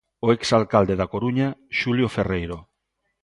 O ex alcalde da Coruña, Xulio Ferreiro.